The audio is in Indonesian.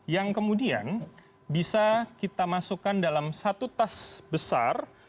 yang kemudian bisa kita masukkan dalam satu tas besar